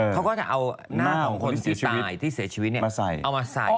เขาก็จะเอาหน้าของคนสีตายที่เสียชีวิตเอามาใส่